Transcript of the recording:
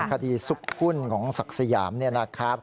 คดีซุกหุ้นของศักดิ์สยามเนี่ยนะครับ